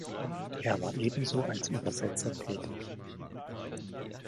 Er war ebenso als Übersetzer tätig.